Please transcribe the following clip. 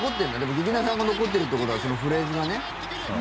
劇団さんが残ってるということはそのフレーズがね。